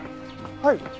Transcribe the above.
はい。